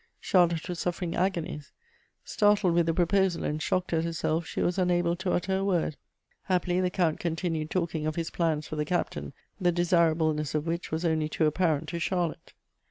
Charlotte was suffering agonies. Startled with the proposal, and shocked at herself, she was unable to utter a word. Happily, the Count continued talking of his plans for the Captain, the desirableness of which was only too apparent to Charlotte.